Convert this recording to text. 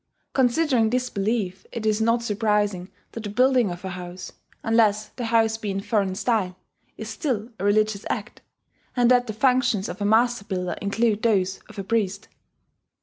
Considering this belief, it is not surprising that the building of a house unless the house be in foreign style is still a religious act, and that the functions of a master builder include those of a priest.